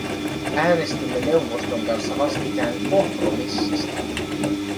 Äänestimme neuvoston kanssa vastikään kompromissista.